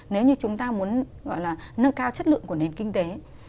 nếu như chúng ta muốn nâng cao chất lượng của nền kinh tế